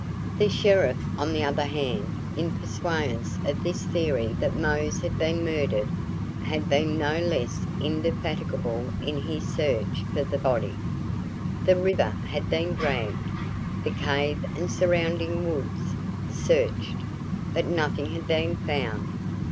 The sheriff, on the other hand, in pursuance of his theory that Mose had been murdered, had been no less indefatigable in his search for the body. The river had been dragged, the cave and surrounding woods searched, but nothing had been found.